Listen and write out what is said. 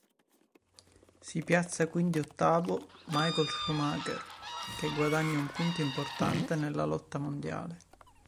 Si piazza quindi ottavo Michael Schumacher, che guadagna un punto importante nella lotta mondiale.